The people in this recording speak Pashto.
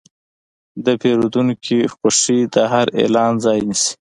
د پیرودونکي خوښي د هر اعلان ځای نیسي.